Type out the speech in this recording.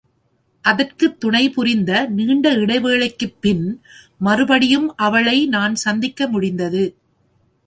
அதற்குத் துணைபுரிந்த நீண்ட இடைவேளைக்குப் பின் மறுபடியும் அவளை நான் சந்திக்க முடிந்தது.